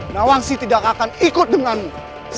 nawangsi tidak akan ikut denganmu